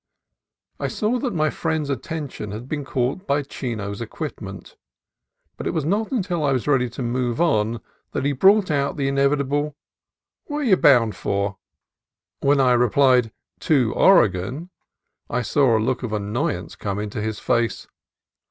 I saw that my friend's attention had been caught by Chino's equipment, but it was not until I was ready to move on that he brought out the inevitable "Whar you bound for?" When I replied "To Oregon," I saw a look of annoyance come into his face.